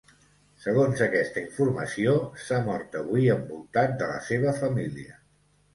Segons aquesta informació, s’ha mort avui envoltat de la seva família.